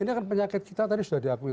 ini kan penyakit kita tadi sudah diakui